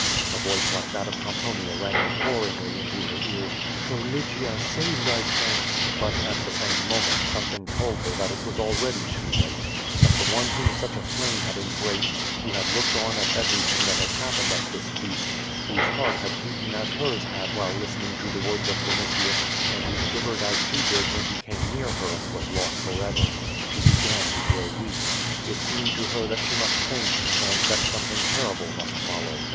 A voice like that of Pom ponia rang imploringly into her ears: '^0 Lygia, save thy self.'' But at the same moment something told her that it was already too late; that the one whom such a flame had embraced, who had looked on at everything that had hap pened at this feast, whose heart had beaten as hers had while listening to the words of Yinitius^ and who shivered 68 QUO VADIS. as she did when he came near her, was lost forever. She began to grow weak. It seemed to her that she must faint, and that something terrible must follow.